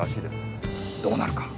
どうなるか。